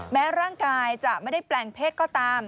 แม้ร่างกายจะไม่ได้แปลงเพศก็ตาม